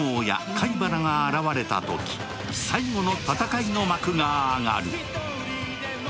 海原が現れた時最後の戦いの幕が上がる！